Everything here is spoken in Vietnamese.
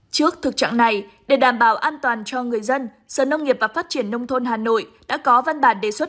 trước thực trạng này để đảm bảo an toàn cho người dân sở nông nghiệp và phát triển nông thôn hà nội đã có văn bản đề xuất